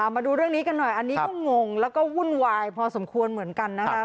มาดูเรื่องนี้กันหน่อยอันนี้ก็งงแล้วก็วุ่นวายพอสมควรเหมือนกันนะคะ